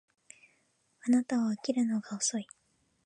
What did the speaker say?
あなたは起きるのが遅い